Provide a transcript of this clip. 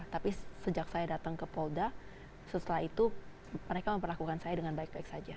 tapi sejak saya datang ke polda setelah itu mereka memperlakukan saya dengan baik baik saja